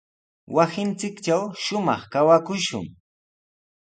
Wasinchiktraw shumaq kawakushun.